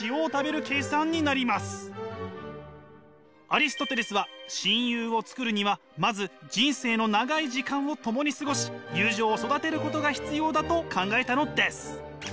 アリストテレスは親友を作るにはまず人生の長い時間を共に過ごし友情を育てることが必要だと考えたのです。